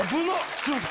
すみません。